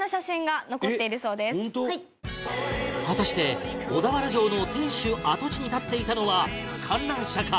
果たして小田原城の天守跡地に建っていたのは観覧車か？